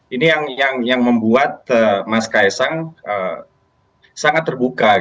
ini yang membuat mas ks sang sangat terbuka